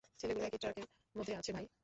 ছেলেগুলো একটা ট্রাকের মধ্যে আছে, ভাই।